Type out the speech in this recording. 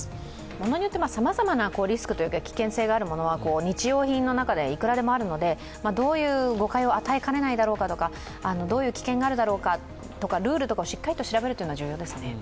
物によってさまざまなリスク危険性があるものは日用品の中ではいくらでもあるので、どういう誤解を与えかねないかとかどういう危険があるだろうかとかルールをしっかり調べることは重要ですね。